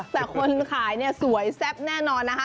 แต่คนขายสวยแซ่บแน่นอนนะครับ